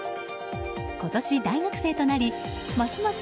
今年、大学生となりますます